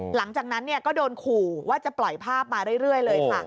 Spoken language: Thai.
หลังจากนั้นก็โดนขู่ว่าจะปล่อยภาพมาเรื่อยเลยค่ะ